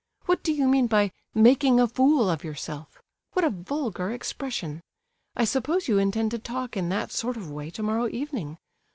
What do you mean by 'making a fool of yourself'? What a vulgar expression! I suppose you intend to talk in that sort of way tomorrow evening?